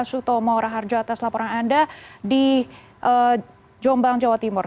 sutomo raharjo atas laporan anda di jombang jawa timur